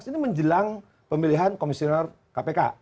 ini menjelang pemilihan komisioner kpk